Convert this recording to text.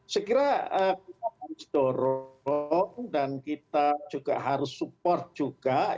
sekiranya kita harus mendorong dan kita juga harus support juga